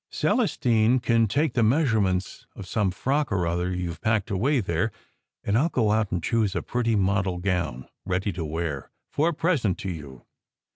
Celestine can take the measurements of some frock or other you ve packed away there, and I ll go out and choose a pretty model gown, ready to wear, for a present to you.